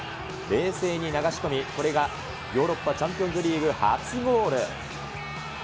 冷静に流し込み、これがヨーロッパチャンピオンズリーグ初ゴール。